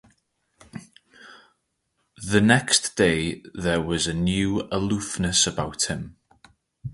The next day there was a new aloofness about him.